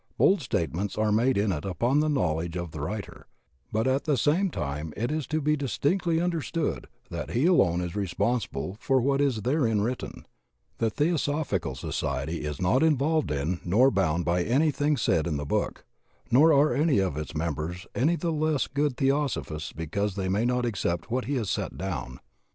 Bold state ments are made in it upon the knowledge of the writer, but at the same time it is to be distinctly understood that he alone is responsible for what is therein written: the Theosophical Society is not involved in nor bound by anything said in the book, nor are any of its mem bers any the less good Theosophists because they may not accept what he has set down.